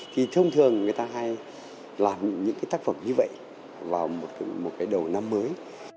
thì thông thường người ta hay làm những cái tác phẩm như vậy vào một cái đầu năm mới